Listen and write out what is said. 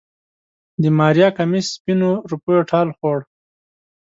د ماريا کميس سپينو روپيو ټال خوړ.